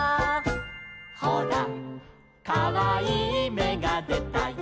「ほらかわいいめがでたよ」